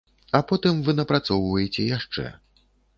А потым вы напрацоўваеце яшчэ.